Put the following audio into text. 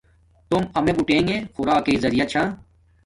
توم امیے بوٹیݣے خوراکݵ زریعہ چھا